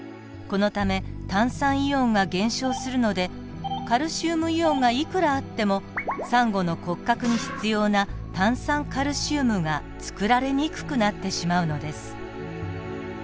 このため炭酸イオンが減少するのでカルシウムイオンがいくらあってもサンゴの骨格に必要な炭酸カルシウムがつくられにくくなってしまうのです。